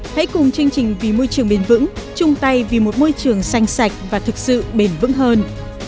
hãy cùng chương trình vì môi trường bền vững chung tay vì một môi trường xanh sạch và thực sự bền vững hơn